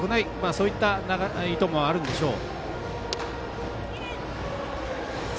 そういった意図もあるんでしょう。